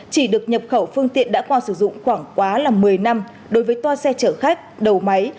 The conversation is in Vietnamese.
chỉ được nhập khẩu phương tiện đã qua sử dụng khoảng quá là một mươi năm đối với toa xe chở khách đầu máy